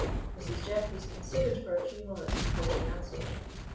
Mrs. Jeffreys considered for a few moments before she answered.